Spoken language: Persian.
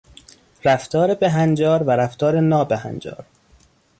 رفتار بهنجار و رفتار نابهنجار